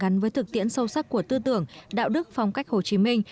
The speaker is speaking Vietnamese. gắn với thực tiễn sâu sắc của tư tưởng đạo đức phong cách hồ chí minh